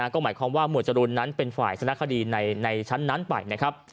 ก็หมายความว่าหมวดจรูนนั้นเป็นฝ่ายชนะคดีในชั้นนั้นไปนะครับ